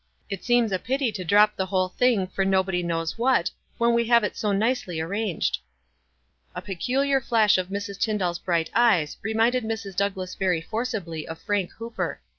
It seems a pity to drop the whole thing, for nobod knows what, when we have it so nicely ai ranged." A peculiar flash of Mrs. Tyndall's bright ey< reminded Mrs. Douglass very forcibly of Frai: Hooper.